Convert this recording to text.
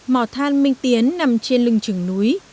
mỏ than minh tiến nằm trên lưng trừng núi